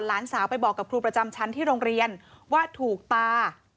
หลานสาวไปบอกกับครูประจำชั้นที่โรงเรียนว่าถูกตา